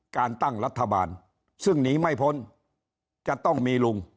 การตั้งรัฐบาลซึ่งหนีไม่พ้นจะต้องมีลุง